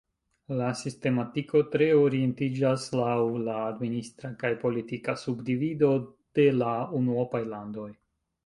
La sistematiko tre orientiĝas laŭ la administra kaj politika subdivido de la unuopaj landoj.